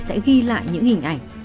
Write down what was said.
sẽ ghi lại những hình ảnh